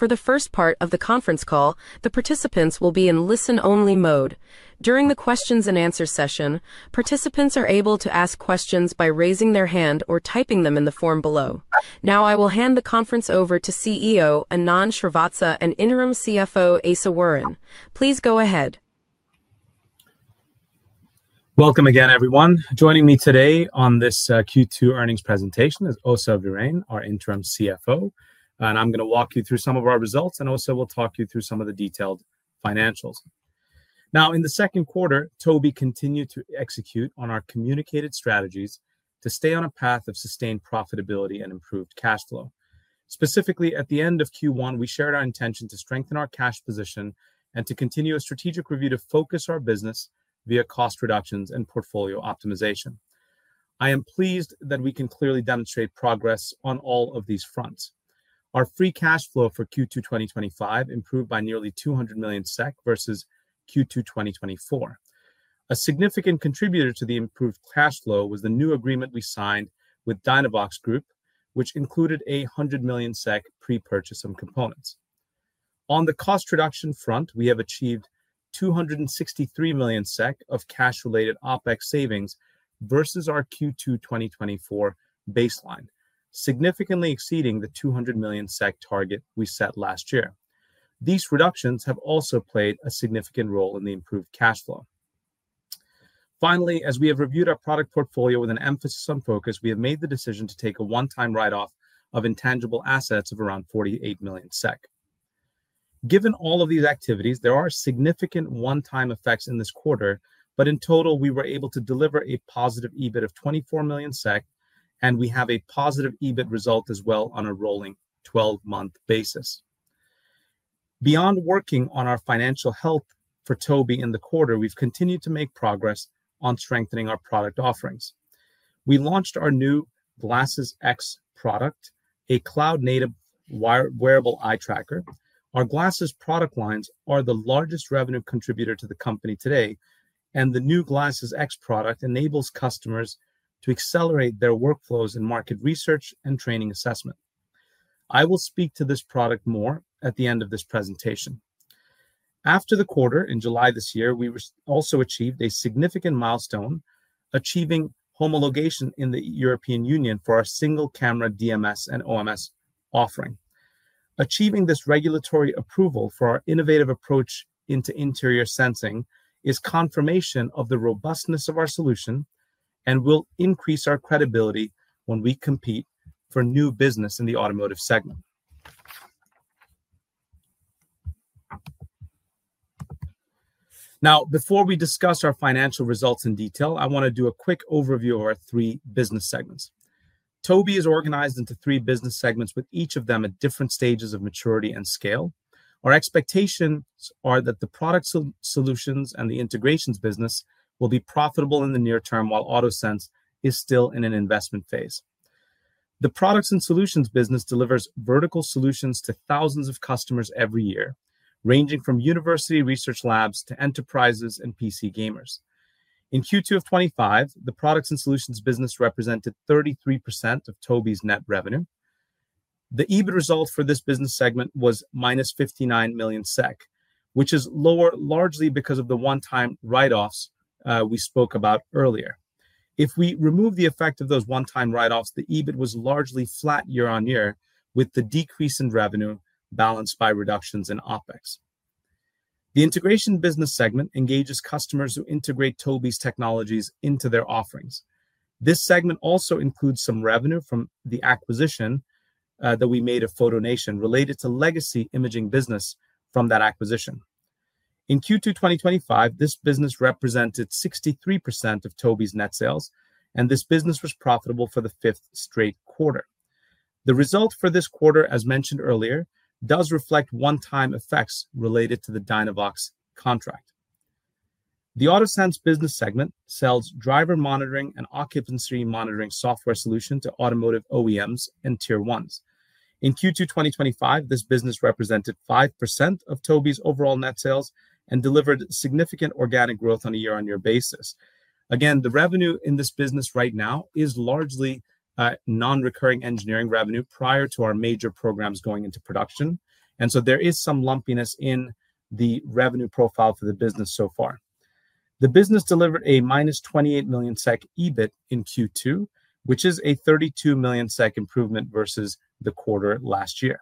For the first part of the conference call, the participants will be in listen-only mode. During the questions and answers session, participants are able to ask questions by raising their hand or typing them in the form below. Now, I will hand the conference over to CEO Anand Srivatsa and Interim CFO Åsa Wirén. Please go ahead. Welcome again, everyone. Joining me today on this Q2 earnings presentation is Åsa Wirén, our Interim CFO. I'm going to walk you through some of our results, and Åsa will talk you through some of the detailed financials. In the second quarter, Tobii continued to execute on our communicated strategies to stay on a path of sustained profitability and improved cash flow. Specifically, at the end of Q1, we shared our intention to strengthen our cash position and to continue a strategic review to focus our business via cost reductions and portfolio optimization. I am pleased that we can clearly demonstrate progress on all of these fronts. Our free cash flow for Q2 2025 improved by nearly 200 million SEK versus Q2 2024. A significant contributor to the improved cash flow was the new agreement we signed with Dynavox Group, which included a 100 million SEK pre-purchase in components. On the cost reduction front, we have achieved 263 million SEK of cash-related OpEx savings versus our Q2 2024 baseline, significantly exceeding the 200 million SEK target we set last year. These reductions have also played a significant role in the improved cash flow. Finally, as we have reviewed our product portfolio with an emphasis on focus, we have made the decision to take a one-time write-off of intangible assets of around 48 million SEK. Given all of these activities, there are significant one-time effects in this quarter, but in total, we were able to deliver a positive EBIT of 24 million SEK, and we have a positive EBIT result as well on a rolling 12-month basis. Beyond working on our financial health for Tobii in the quarter, we've continued to make progress on strengthening our product offerings. We launched our new Glasses X product, a cloud-native wearable eye tracker. Our Glasses product lines are the largest revenue contributor to the company today, and the new Glasses X product enables customers to accelerate their workflows in market research and training assessment. I will speak to this product more at the end of this presentation. After the quarter in July this year, we also achieved a significant milestone, achieving homologation in the EU for our single-camera DMS and OMS offering. Achieving this regulatory approval for our innovative approach into interior sensing is confirmation of the robustness of our solution and will increase our credibility when we compete for new business in the automotive segment. Now, before we discuss our financial results in detail, I want to do a quick overview of our three business segments. Tobii is organized into three business segments, with each of them at different stages of maturity and scale. Our expectations are that the product solutions and the integration business will be profitable in the near term, while auto sense is still in an investment phase. The products and solutions business delivers vertical solutions to thousands of customers every year, ranging from university research labs to enterprises and PC gamers. In Q2 2025, the products and solutions business represented 33% of Tobii's net revenue. The EBIT result for this business segment was minus 59 million SEK, which is lower largely because of the one-time write-offs we spoke about earlier. If we remove the effect of those one-time write-offs, the EBIT was largely flat year-on-year with the decrease in revenue balanced by reductions in OpEx. The integration business segment engages customers who integrate Tobii's technologies into their offerings. This segment also includes some revenue from the acquisition that we made of FotoNation related to legacy imaging business from that acquisition. In Q2 2025, this business represented 63% of Tobii's net sales, and this business was profitable for the fifth straight quarter. The result for this quarter, as mentioned earlier, does reflect one-time effects related to the Dynavox Group contract. The auto sense business segment sells driver monitoring and occupancy monitoring software solutions to automotive OEMs and tier ones. In Q2 2025, this business represented 5% of Tobii's overall net sales and delivered significant organic growth on a year-on-year basis. The revenue in this business right now is largely non-recurring engineering revenue prior to our major programs going into production, and there is some lumpiness in the revenue profile for the business so far. The business delivered a minus 28 million SEK EBIT in Q2, which is a 32 million SEK improvement versus the quarter last year.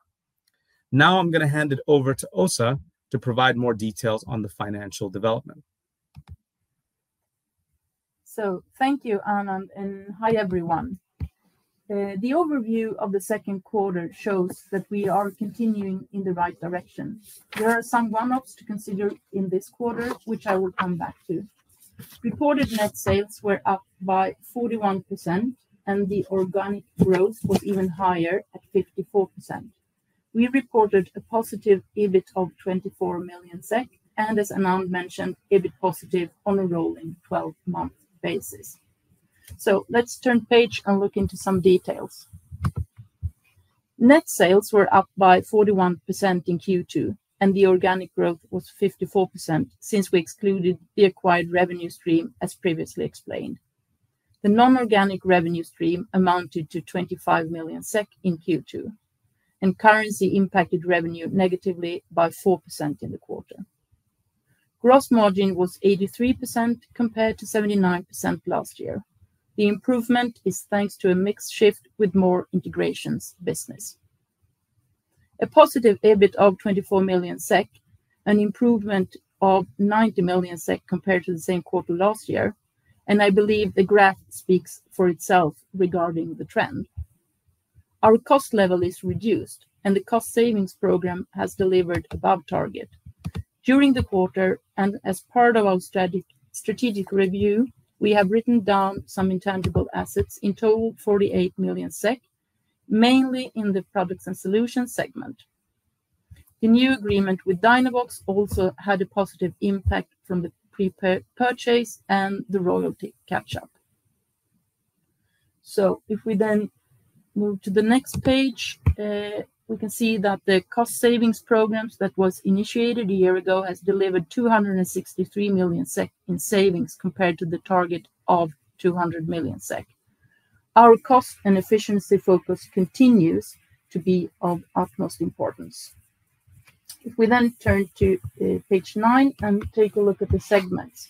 Now, I'm going to hand it over to Åsa Wirén to provide more details on the financial development. Thank you, Anand, and hi everyone. The overview of the second quarter shows that we are continuing in the right direction. There are some warm-ups to consider in this quarter, which I will come back to. Reported net sales were up by 41%, and the organic growth was even higher at 54%. We reported a positive EBIT of 24 million SEK, and as Anand mentioned, EBIT positive on a rolling 12-month basis. Let's turn the page and look into some details. Net sales were up by 41% in Q2, and the organic growth was 54% since we excluded the acquired revenue stream as previously explained. The non-organic revenue stream amounted to 25 million SEK in Q2, and currency impacted revenue negatively by 4% in the quarter. Gross margin was 83% compared to 79% last year. The improvement is thanks to a mix shift with more integration business. A positive EBIT of 24 million SEK, an improvement of 90 million SEK compared to the same quarter last year, and I believe the graph speaks for itself regarding the trend. Our cost level is reduced, and the cost savings program has delivered above target. During the quarter, and as part of our strategic review, we have written down some intangible assets in total 48 million SEK, mainly in the products and solutions segment. The new agreement with Dynavox Group also had a positive impact from the pre-purchase and the royalty catch-up. If we then move to the next page, we can see that the cost savings program that was initiated a year ago has delivered 263 million SEK in savings compared to the target of 200 million SEK. Our cost and efficiency focus continues to be of utmost importance. If we then turn to page nine and take a look at the segments.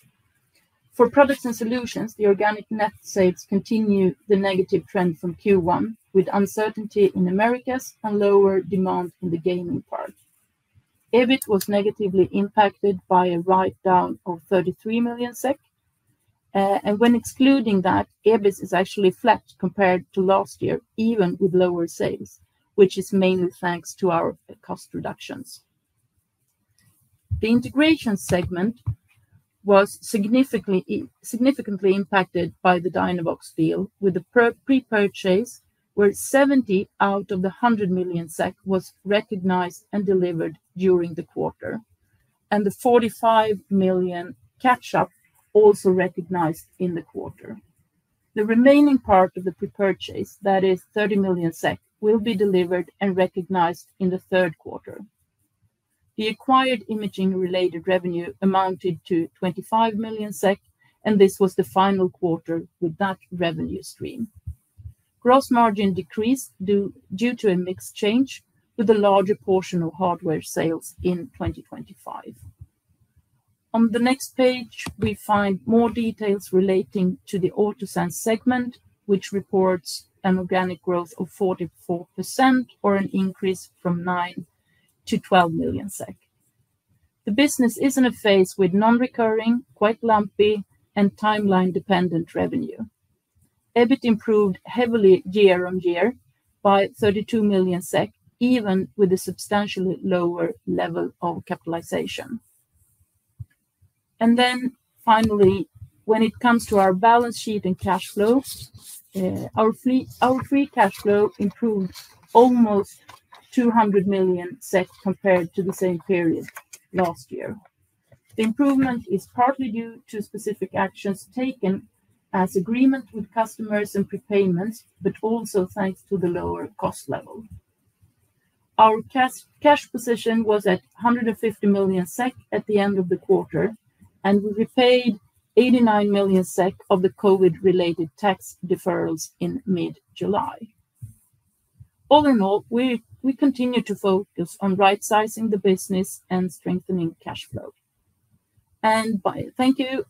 For products and solutions, the organic net sales continue the negative trend from Q1, with uncertainty in the Americas and lower demand in the gaming part. EBIT was negatively impacted by a write-down of 33 million SEK, and when excluding that, EBIT is actually flat compared to last year, even with lower sales, which is mainly thanks to our cost reductions. The integration segment was significantly impacted by the Dynavox Group deal, with a pre-purchase where 70 million out of the 100 million SEK was recognized and delivered during the quarter, and the 45 million catch-up also recognized in the quarter. The remaining part of the pre-purchase, that is 30 million SEK, will be delivered and recognized in the third quarter. The acquired imaging-related revenue amounted to 25 million SEK, and this was the final quarter with that revenue stream. Gross margin decreased due to a mix change with a larger portion of hardware sales in 2025. On the next page, we find more details relating to the auto sense segment, which reports an organic growth of 44%, or an increase from 9 million to 12 million SEK. The business is in a phase with non-recurring, quite lumpy, and timeline-dependent revenue. EBIT improved heavily year-on-year by 32 million SEK, even with a substantially lower level of capitalization. Finally, when it comes to our balance sheet and cash flow, our free cash flow improved almost 200 million compared to the same period last year. The improvement is partly due to specific actions taken as agreements with customers and pre-payments, but also thanks to the lower cost level. Our cash position was at 150 million SEK at the end of the quarter, and we paid 89 million SEK of the COVID-related tax deferrals in mid-July. All in all, we continue to focus on right-sizing the business and strengthening cash flow. Thank you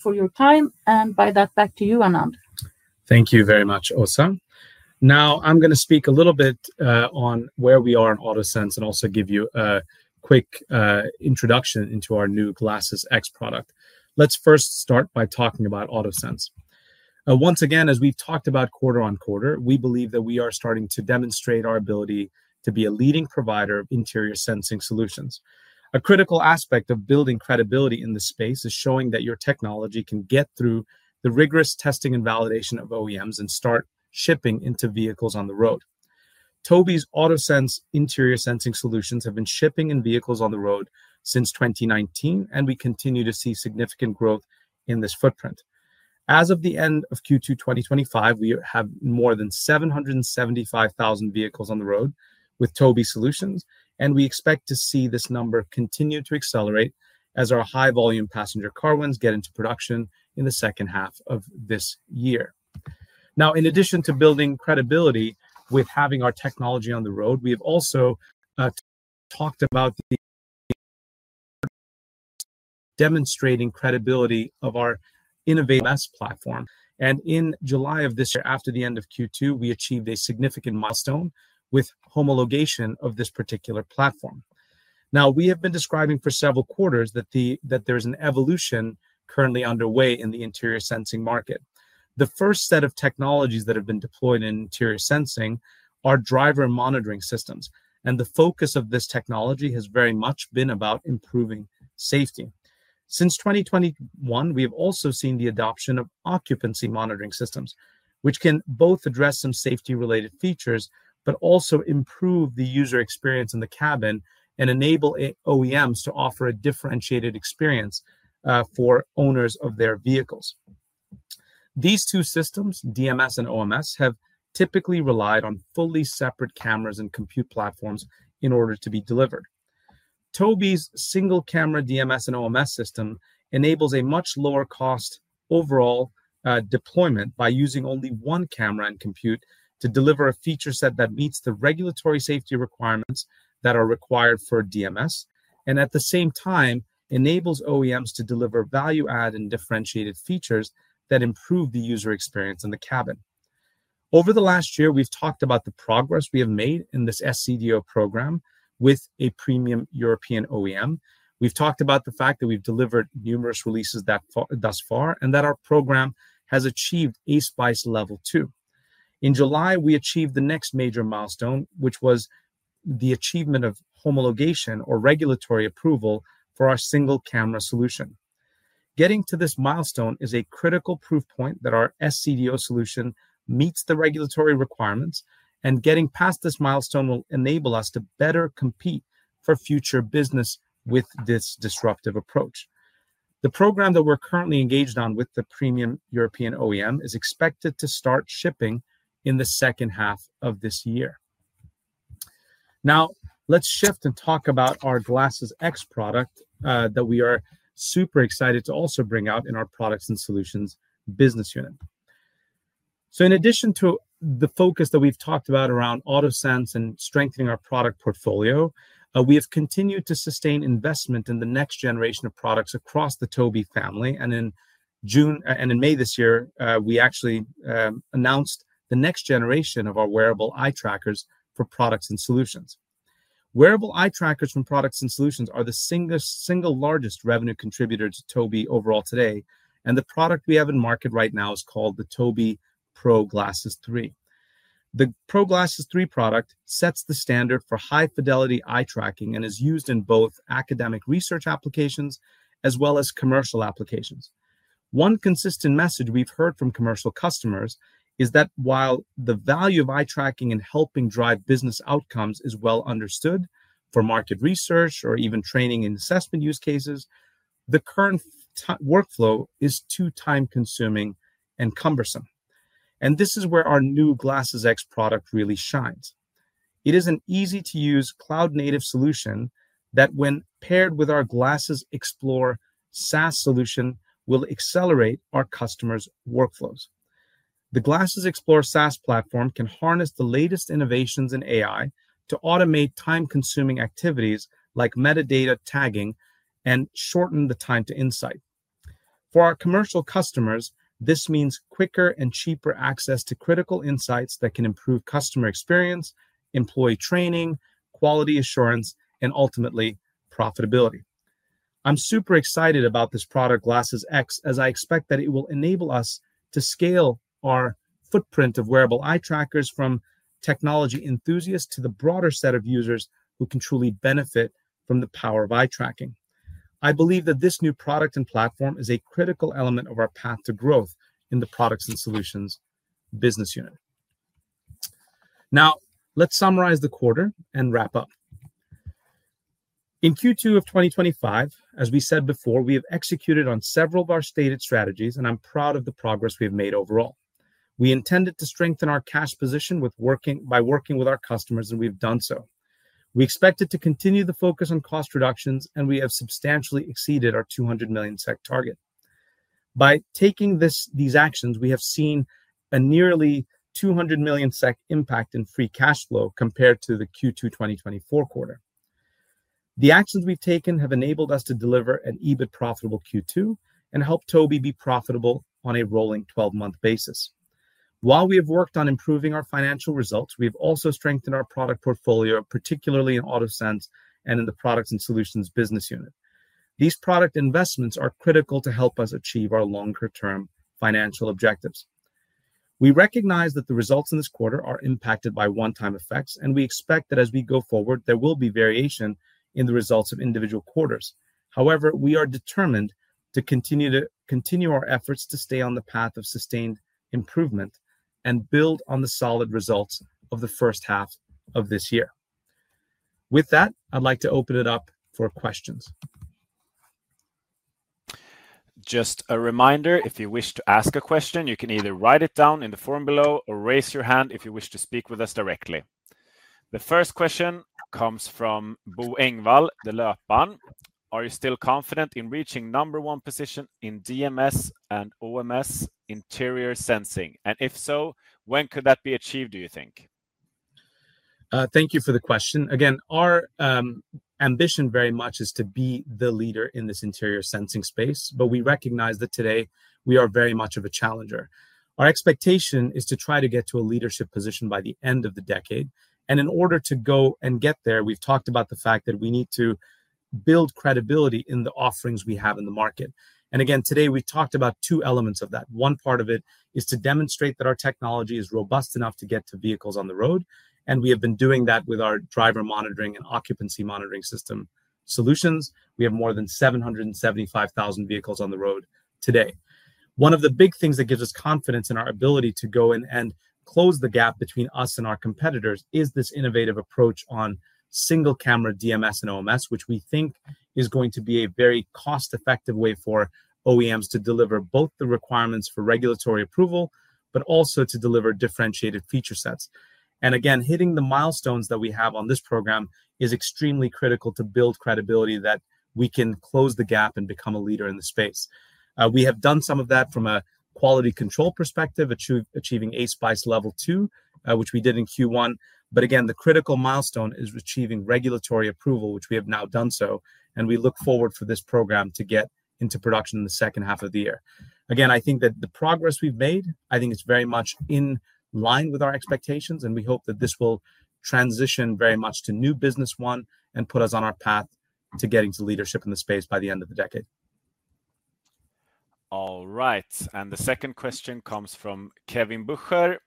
for your time, and by that, back to you, Anand. Thank you very much, Åsa. Now, I'm going to speak a little bit on where we are in auto sense and also give you a quick introduction into our new Glasses X product. Let's first start by talking about auto sense. Once again, as we talked about quarter on quarter, we believe that we are starting to demonstrate our ability to be a leading provider of interior sensing solutions. A critical aspect of building credibility in this space is showing that your technology can get through the rigorous testing and validation of OEMs and start shipping into vehicles on the road. Tobii's auto sense interior sensing solutions have been shipping in vehicles on the road since 2019, and we continue to see significant growth in this footprint. As of the end of Q2 2025, we have more than 775,000 vehicles on the road with Tobii solutions, and we expect to see this number continue to accelerate as our high-volume passenger car ones get into production in the second half of this year. In addition to building credibility with having our technology on the road, we have also talked about demonstrating credibility of our innovative platform. In July of this year, after the end of Q2, we achieved a significant milestone with homologation of this particular platform. We have been describing for several quarters that there is an evolution currently underway in the interior sensing market. The first set of technologies that have been deployed in interior sensing are driver monitoring systems, and the focus of this technology has very much been about improving safety. Since 2021, we have also seen the adoption of occupancy monitoring systems, which can both address some safety-related features, but also improve the user experience in the cabin and enable OEMs to offer a differentiated experience for owners of their vehicles. These two systems, DMS and OMS, have typically relied on fully separate cameras and compute platforms in order to be delivered. Tobii's single-camera DMS and OMS system enables a much lower cost overall deployment by using only one camera and compute to deliver a feature set that meets the regulatory safety requirements that are required for DMS, and at the same time, enables OEMs to deliver value-add and differentiated features that improve the user experience in the cabin. Over the last year, we've talked about the progress we have made in this SCDO program with a premium European OEM. We've talked about the fact that we've delivered numerous releases thus far and that our program has achieved AceWise level two. In July, we achieved the next major milestone, which was the achievement of homologation or regulatory approval for our single-camera DMS/OMS solution. Getting to this milestone is a critical proof point that our single-camera DMS/OMS solution meets the regulatory requirements, and getting past this milestone will enable us to better compete for future business with this disruptive approach. The program that we're currently engaged on with the premium European OEM is expected to start shipping in the second half of this year. Now, let's shift and talk about our Glasses X product that we are super excited to also bring out in our products and solutions business unit. In addition to the focus that we've talked about around auto sense and strengthening our product portfolio, we have continued to sustain investment in the next generation of products across the Tobii family. In May this year, we actually announced the next generation of our wearable eye trackers for products and solutions. Wearable eye trackers from products and solutions are the single largest revenue contributor to Tobii overall today, and the product we have in market right now is called the Tobii Pro Glasses 3. The Pro Glasses 3 product sets the standard for high-fidelity eye tracking and is used in both academic research applications as well as commercial applications. One consistent message we've heard from commercial customers is that while the value of eye tracking in helping drive business outcomes is well understood for market research or even training and assessment use cases, the current workflow is too time-consuming and cumbersome. This is where our new Glasses X product really shines. It is an easy-to-use, cloud-native solution that, when paired with our Glasses Explore SaaS solution, will accelerate our customers' workflows. The Glasses Explore SaaS platform can harness the latest innovations in AI to automate time-consuming activities like metadata tagging and shorten the time to insight. For our commercial customers, this means quicker and cheaper access to critical insights that can improve customer experience, employee training, quality assurance, and ultimately profitability. I'm super excited about this product, Glasses X, as I expect that it will enable us to scale our footprint of wearable eye trackers from technology enthusiasts to the broader set of users who can truly benefit from the power of eye tracking. I believe that this new product and platform is a critical element of our path to growth in the products and solutions business unit. Now, let's summarize the quarter and wrap up. In Q2 of 2025, as we said before, we have executed on several of our stated strategies, and I'm proud of the progress we have made overall. We intended to strengthen our cash position by working with our customers, and we've done so. We expect to continue the focus on cost reductions, and we have substantially exceeded our 200 million SEK target. By taking these actions, we have seen a nearly 200 million SEK impact in free cash flow compared to the Q2 2024 quarter. The actions we've taken have enabled us to deliver an EBIT profitable Q2 and help Tobii be profitable on a rolling 12-month basis. While we have worked on improving our financial results, we have also strengthened our product portfolio, particularly in auto sense and in the products and solutions business unit. These product investments are critical to help us achieve our longer-term financial objectives. We recognize that the results in this quarter are impacted by one-time effects, and we expect that as we go forward, there will be variation in the results of individual quarters. However, we are determined to continue our efforts to stay on the path of sustained improvement and build on the solid results of the first half of this year. With that, I'd like to open it up for questions. Just a reminder, if you wish to ask a question, you can either write it down in the form below or raise your hand if you wish to speak with us directly. The first question comes from Bo Engvall, the Leopan. Are you still confident in reaching number one position in DMS and OMS interior sensing? And if so, when could that be achieved, do you think? Thank you for the question. Again, our ambition very much is to be the leader in this interior sensing space, but we recognize that today we are very much a challenger. Our expectation is to try to get to a leadership position by the end of the decade. In order to go and get there, we've talked about the fact that we need to build credibility in the offerings we have in the market. Again, today we've talked about two elements of that. One part of it is to demonstrate that our technology is robust enough to get to vehicles on the road, and we have been doing that with our driver monitoring and occupancy monitoring system solutions. We have more than 775,000 vehicles on the road today. One of the big things that gives us confidence in our ability to go in and close the gap between us and our competitors is this innovative approach on single-camera DMS and OMS, which we think is going to be a very cost-effective way for OEMs to deliver both the requirements for regulatory approval, but also to deliver differentiated feature sets. Hitting the milestones that we have on this program is extremely critical to build credibility that we can close the gap and become a leader in the space. We have done some of that from a quality control perspective, achieving Ace Wise level two, which we did in Q1. The critical milestone is achieving regulatory approval, which we have now done so, and we look forward for this program to get into production in the second half of the year. I think that the progress we've made, I think it's very much in line with our expectations, and we hope that this will transition very much to new business one and put us on our path to getting to leadership in the space by the end of the decade. All right. The second question comes from Kevin Bucher.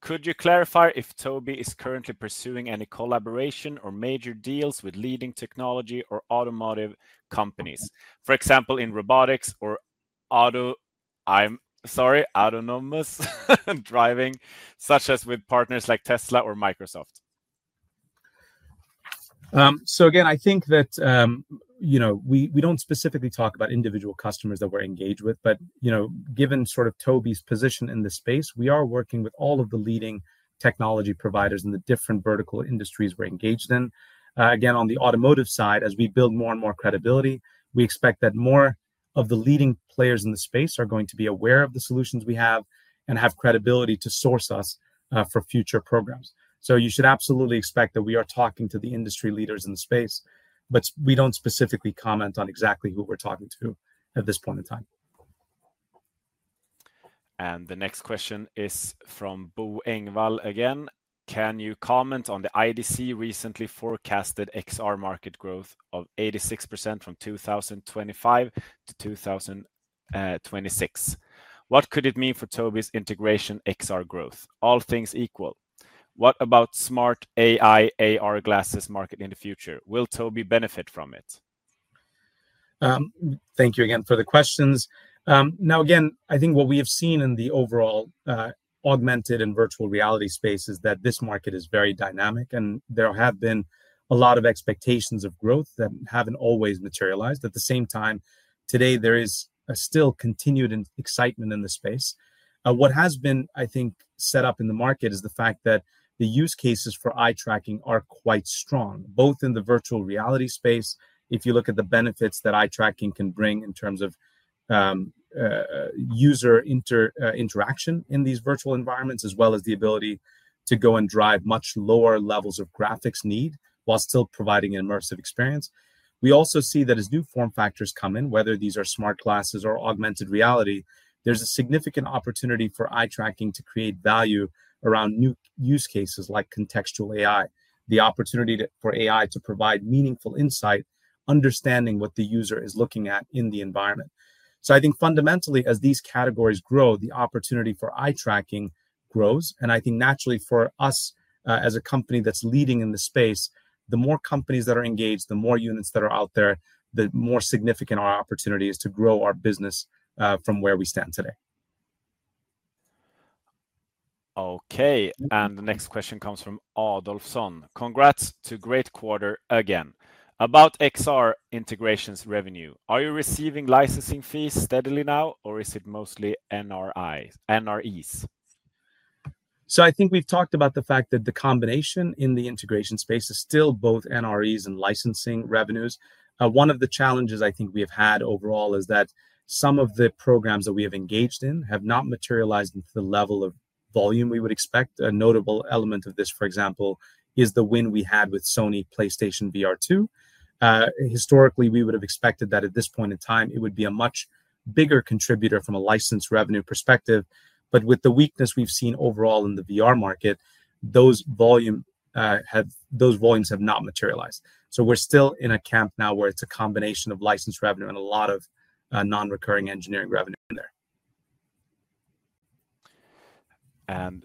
Could you clarify if Tobii is currently pursuing any collaboration or major deals with leading technology or automotive companies, for example, in robotics or autonomous driving, such as with partners like Tesla or Microsoft? I think that we don't specifically talk about individual customers that we're engaged with, but given sort of Tobii's position in this space, we are working with all of the leading technology providers in the different vertical industries we're engaged in. On the automotive side, as we build more and more credibility, we expect that more of the leading players in the space are going to be aware of the solutions we have and have credibility to source us for future programs. You should absolutely expect that we are talking to the industry leaders in the space, but we don't specifically comment on exactly who we're talking to at this point in time. The next question is from Bo Engvall again. Can you comment on the IDC recently forecasted XR market growth of 86% from 2025 to 2026? What could it mean for Tobii's integration XR growth, all things equal? What about smart AI/AR glasses market in the future? Will Tobii benefit from it? Thank you again for the questions. I think what we have seen in the overall augmented and virtual reality space is that this market is very dynamic, and there have been a lot of expectations of growth that haven't always materialized. At the same time, today there is still continued excitement in the space. What has been, I think, set up in the market is the fact that the use cases for eye tracking are quite strong, both in the virtual reality space. If you look at the benefits that eye tracking can bring in terms of user interaction in these virtual environments, as well as the ability to go and drive much lower levels of graphics need while still providing an immersive experience. We also see that as new form factors come in, whether these are smart glasses or augmented reality, there's a significant opportunity for eye tracking to create value around new use cases like contextual AI, the opportunity for AI to provide meaningful insight, understanding what the user is looking at in the environment. I think fundamentally, as these categories grow, the opportunity for eye tracking grows. I think naturally for us as a company that's leading in the space, the more companies that are engaged, the more units that are out there, the more significant our opportunity is to grow our business from where we stand today. Okay. The next question comes from Adolfson. Congrats to great quarter again. About XR integrations revenue, are you receiving licensing fees steadily now, or is it mostly NREs? I think we've talked about the fact that the combination in the integration space is still both NREs and licensing revenues. One of the challenges I think we have had overall is that some of the programs that we have engaged in have not materialized to the level of volume we would expect. A notable element of this, for example, is the win we had with Sony PlayStation VR2. Historically, we would have expected that at this point in time, it would be a much bigger contributor from a licensed revenue perspective. With the weakness we've seen overall in the VR market, those volumes have not materialized. We're still in a camp now where it's a combination of licensed revenue and a lot of non-recurring engineering revenue there.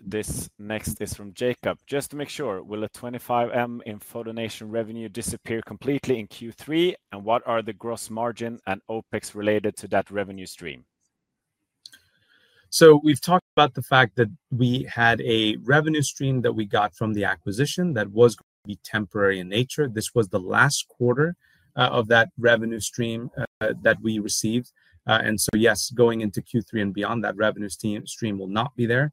This next is from Jacob. Just to make sure, will the 25 million in FotoNation revenue disappear completely in Q3, and what are the gross margin and OpEx related to that revenue stream? We've talked about the fact that we had a revenue stream that we got from the acquisition that was temporary in nature. This was the last quarter of that revenue stream that we received. Yes, going into Q3 and beyond, that revenue stream will not be there.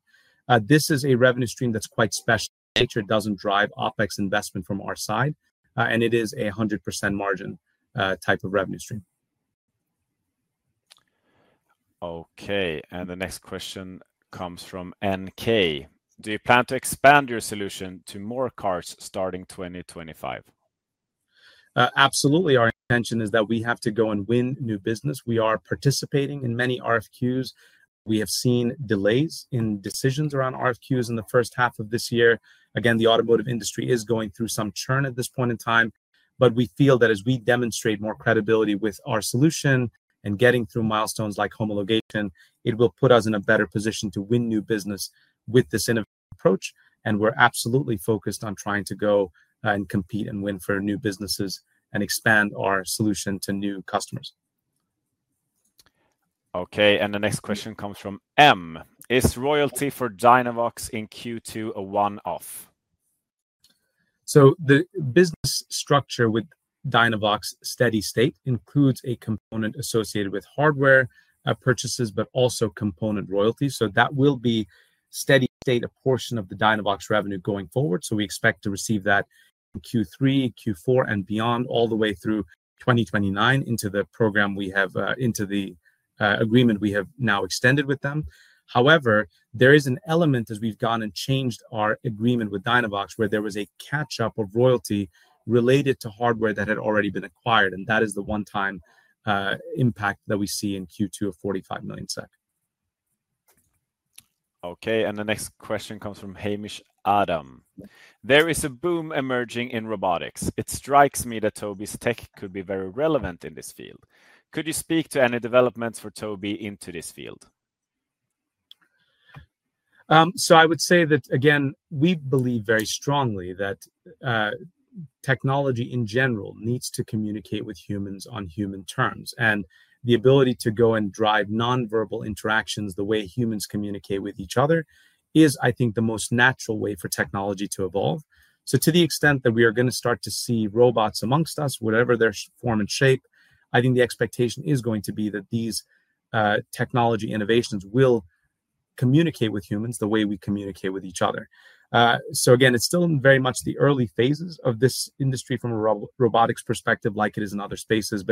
This is a revenue stream that's quite special in nature. It doesn't drive OpEx investment from our side, and it is a 100% margin type of revenue stream. Okay. The next question comes from NK. Do you plan to expand your solution to more cars starting 2025? Absolutely. Our intention is that we have to go and win new business. We are participating in many RFQs. We have seen delays in decisions around RFQs in the first half of this year. The automotive industry is going through some churn at this point in time, but we feel that as we demonstrate more credibility with our solution and getting through milestones like homologation, it will put us in a better position to win new business with this approach. We're absolutely focused on trying to go and compete and win for new businesses and expand our solution to new customers. Okay. The next question comes from M. Is royalty for Dynavox in Q2 a one-off? The business structure with Dynavox Steady State includes a component associated with hardware purchases, but also component royalties. That will be Steady State, a portion of the Dynavox revenue going forward. We expect to receive that Q3, Q4, and beyond all the way through 2029 into the program we have, into the agreement we have now extended with them. However, there is an element as we've gone and changed our agreement with Dynavox where there was a catch-up of royalty related to hardware that had already been acquired, and that is the one-time impact that we see in Q2 of 45 million SEK. Okay. The next question comes from Hamish Adam. There is a boom emerging in robotics. It strikes me that Tobii's tech could be very relevant in this field. Could you speak to any developments for Tobii into this field? I would say that, again, we believe very strongly that technology in general needs to communicate with humans on human terms, and the ability to go and drive non-verbal interactions the way humans communicate with each other is, I think, the most natural way for technology to evolve. To the extent that we are going to start to see robots amongst us, whatever their form and shape, I think the expectation is going to be that these technology innovations will communicate with humans the way we communicate with each other. It is still very much the early phases of this industry from a robotics perspective, like it is in other spaces.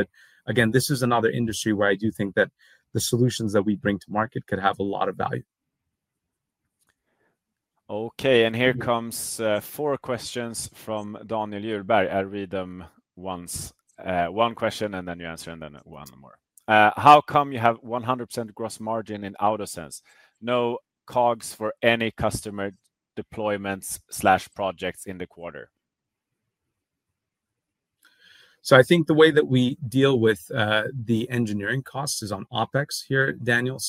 This is another industry where I do think that the solutions that we bring to market could have a lot of value. Here come four questions from Daniel Juerberg. I'll read them once. One question, and then you answer, and then one more. How come you have 100% gross margin in auto sense? No COGs for any customer deployments/projects in the quarter. I think the way that we deal with the engineering cost is on OpEx here, Daniel.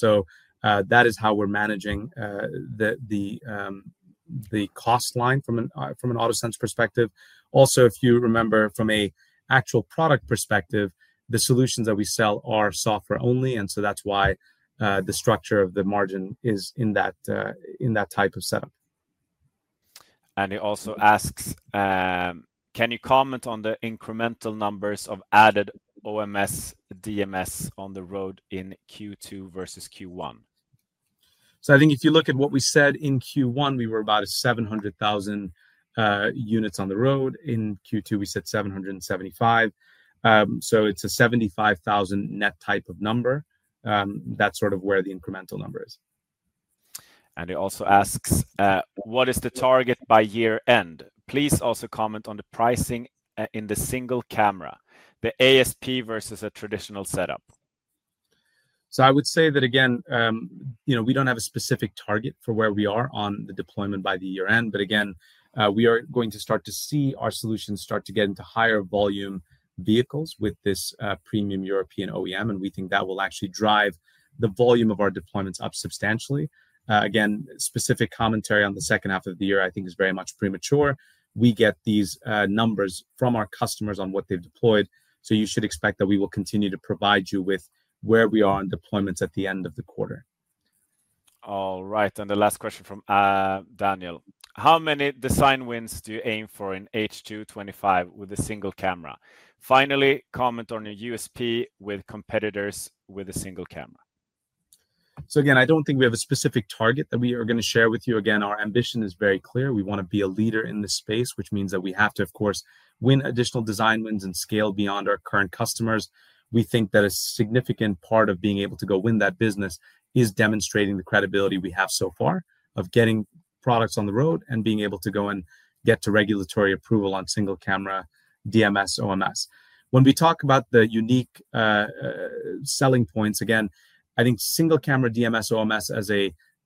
That is how we're managing the cost line from an auto sense perspective. Also, if you remember from an actual product perspective, the solutions that we sell are software only, and that's why the structure of the margin is in that type of setup. He also asks, can you comment on the incremental numbers of added OMS DMS on the road in Q2 versus Q1? If you look at what we said in Q1, we were about 700,000 units on the road. In Q2, we said 775,000. It's a 75,000 net type of number. That's sort of where the incremental number is. He also asks, what is the target by year end? Please also comment on the pricing in the single-camera, the ASP versus a traditional setup. I would say that we don't have a specific target for where we are on the deployment by the year end, but we are going to start to see our solutions start to get into higher volume vehicles with this premium European OEM, and we think that will actually drive the volume of our deployments up substantially. Specific commentary on the second half of the year is very much premature. We get these numbers from our customers on what they've deployed, so you should expect that we will continue to provide you with where we are on deployments at the end of the quarter. The last question from Daniel: How many design wins do you aim for in H2 2025 with a single camera? Finally, comment on your USP with competitors with a single camera. I don't think we have a specific target that we are going to share with you. Our ambition is very clear. We want to be a leader in this space, which means that we have to, of course, win additional design wins and scale beyond our current customers. We think that a significant part of being able to go win that business is demonstrating the credibility we have so far of getting products on the road and being able to go and get to regulatory approval on single-camera DMS/OMS. When we talk about the unique selling points, again, I think single-camera DMS/OMS as a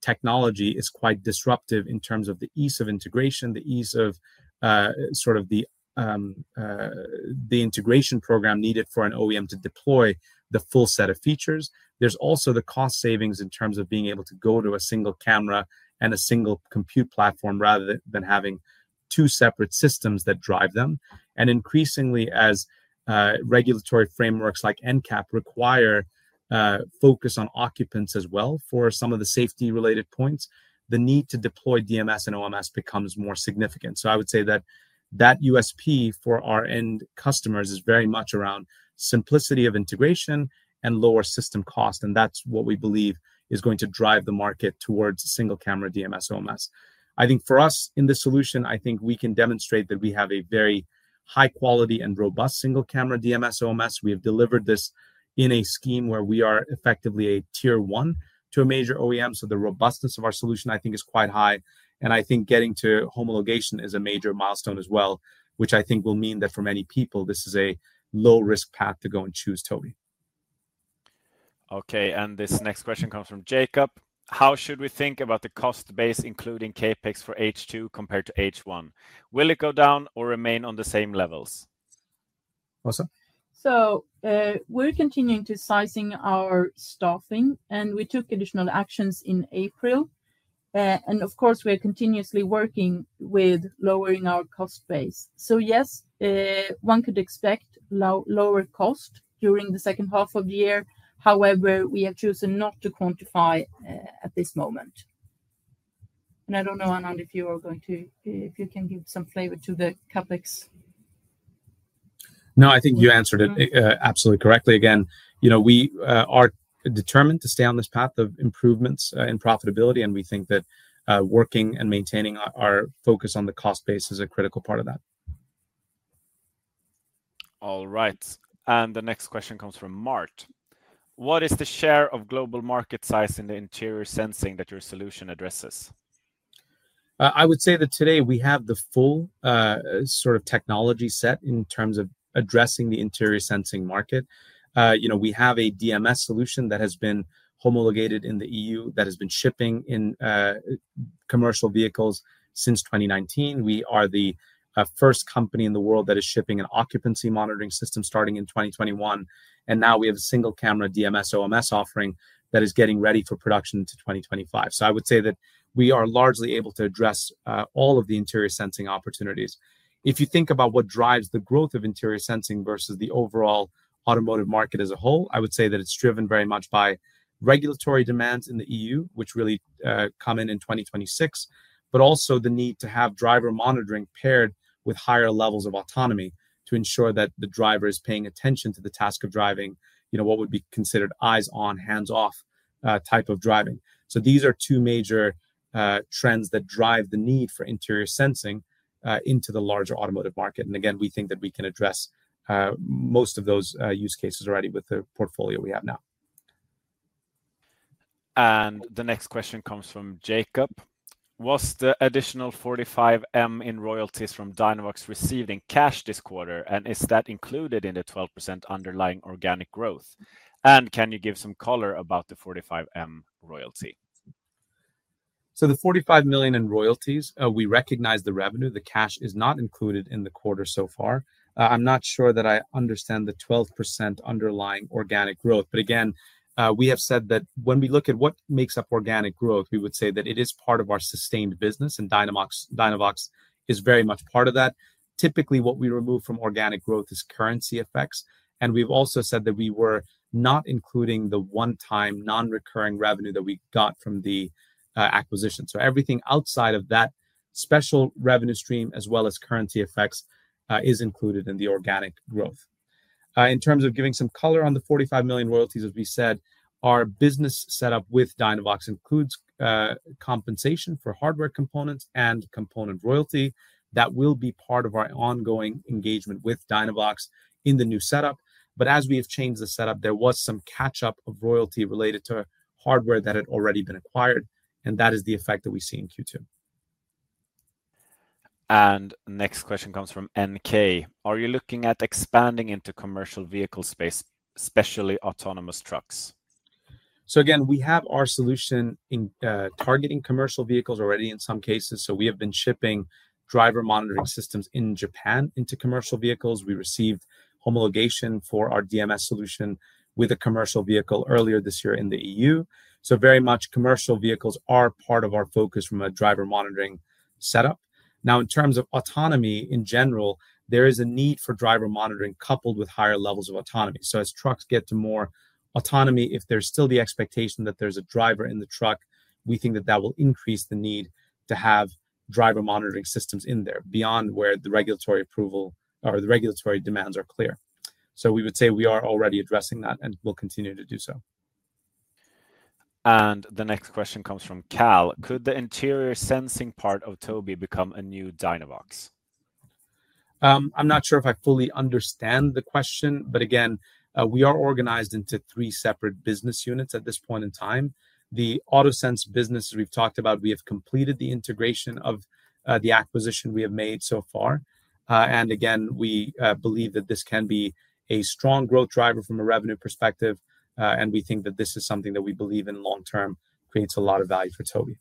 technology is quite disruptive in terms of the ease of integration, the ease of the integration program needed for an OEM to deploy the full set of features. There is also the cost savings in terms of being able to go to a single camera and a single compute platform rather than having two separate systems that drive them. Increasingly, as regulatory frameworks like NCAP require focus on occupants as well for some of the safety-related points, the need to deploy DMS and OMS becomes more significant. I would say that that USP for our end customers is very much around simplicity of integration and lower system cost, and that's what we believe is going to drive the market towards single-camera DMS/OMS. I think for us in this solution, we can demonstrate that we have a very high quality and robust single-camera DMS/OMS. We have delivered this in a scheme where we are effectively a tier one to a major OEM, so the robustness of our solution is quite high, and I think getting to homologation is a major milestone as well, which I think will mean that for many people, this is a low-risk path to go and choose Tobii. Okay. This next question comes from Jacob. How should we think about the cost base, including CapEx for H2 compared to H1? Will it go down or remain on the same levels? We're continuing to sizing our staffing, and we took additional actions in April. Of course, we are continuously working with lowering our cost base. Yes, one could expect lower cost during the second half of the year. However, we have chosen not to quantify at this moment. I don't know, Anand, if you are going to, if you can give some flavor to the CapEx. No, I think you answered it absolutely correctly. We are determined to stay on this path of improvements in profitability, and we think that working and maintaining our focus on the cost base is a critical part of that. The next question comes from Mart. What is the share of global market size in the interior sensing that your solution addresses? I would say that today we have the full sort of technology set in terms of addressing the interior sensing market. We have a DMS solution that has been homologated in the EU, that has been shipping in commercial vehicles since 2019. We are the first company in the world that is shipping an occupancy monitoring system starting in 2021, and now we have a single-camera DMS/OMS offering that is getting ready for production to 2025. I would say that we are largely able to address all of the interior sensing opportunities. If you think about what drives the growth of interior sensing versus the overall automotive market as a whole, I would say that it's driven very much by regulatory demands in the EU, which really come in in 2026, but also the need to have driver monitoring paired with higher levels of autonomy to ensure that the driver is paying attention to the task of driving what would be considered eyes-on, hands-off type of driving. These are two major trends that drive the need for interior sensing into the larger automotive market. We think that we can address most of those use cases already with the portfolio we have now. The next question comes from Jacob. Was the additional 45 million in royalties from Dynavox received in cash this quarter, and is that included in the 12% underlying organic growth? Can you give some color about the 45 million royalty? The 45 million in royalties, we recognize the revenue. The cash is not included in the quarter so far. I'm not sure that I understand the 12% underlying organic growth, but we have said that when we look at what makes up organic growth, we would say that it is part of our sustained business, and Dynavox is very much part of that. Typically, what we remove from organic growth is currency effects, and we've also said that we were not including the one-time non-recurring revenue that we got from the acquisition. Everything outside of that special revenue stream, as well as currency effects, is included in the organic growth. In terms of giving some color on the 45 million royalties, as we said, our business setup with Dynavox includes compensation for hardware components and component royalty. That will be part of our ongoing engagement with Dynavox in the new setup. As we have changed the setup, there was some catch-up of royalty related to hardware that had already been acquired, and that is the effect that we see in Q2. The next question comes from NK. Are you looking at expanding into commercial vehicle space, especially autonomous trucks? We have our solution targeting commercial vehicles already in some cases. We have been shipping driver monitoring systems in Japan into commercial vehicles. We received homologation for our DMS solution with a commercial vehicle earlier this year in the EU. Commercial vehicles are very much part of our focus from a driver monitoring setup. In terms of autonomy in general, there is a need for driver monitoring coupled with higher levels of autonomy. As trucks get to more autonomy, if there's still the expectation that there's a driver in the truck, we think that will increase the need to have driver monitoring systems in there beyond where the regulatory approval or the regulatory demands are clear. We would say we are already addressing that and will continue to do so. The next question comes from Cal. Could the interior sensing part of Tobii become a new Dynavox Group? I'm not sure if I fully understand the question, but we are organized into three separate business units at this point in time. The auto sense business we've talked about, we have completed the integration of the acquisition we have made so far. We believe that this can be a strong growth driver from a revenue perspective, and we think that this is something that we believe in long term, creates a lot of value for Tobii.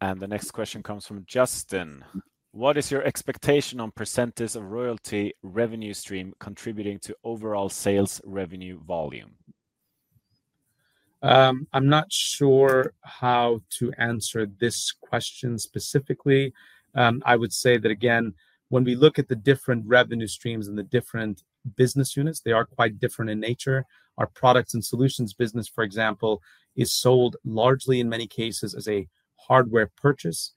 The next question comes from Justin. What is your expectation on percentage of royalty revenue stream contributing to overall sales revenue volume? I'm not sure how to answer this question specifically. When we look at the different revenue streams and the different business units, they are quite different in nature. Our products and solutions business, for example, is sold largely in many cases as a hardware purchase,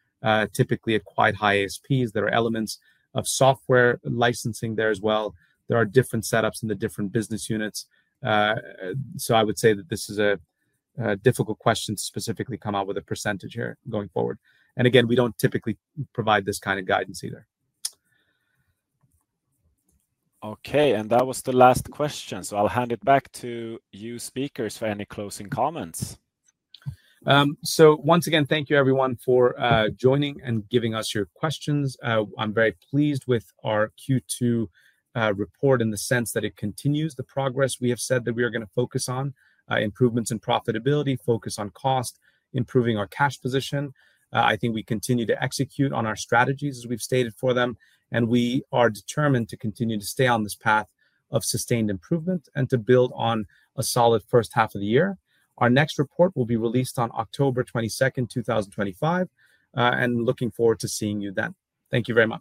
typically acquired high ASPs. There are elements of software licensing there as well. There are different setups in the different business units. This is a difficult question to specifically come out with a % here going forward. We don't typically provide this kind of guidance either. That was the last question. I'll hand it back to you, speakers, for any closing comments. Once again, thank you everyone for joining and giving us your questions. I'm very pleased with our Q2 report in the sense that it continues the progress we have said that we are going to focus on: improvements in profitability, focus on cost, improving our cash position. I think we continue to execute on our strategies as we've stated for them, and we are determined to continue to stay on this path of sustained improvement and to build on a solid first half of the year. Our next report will be released on October 22, 2025, and looking forward to seeing you then. Thank you very much.